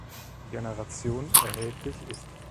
Generation erhältlich ist.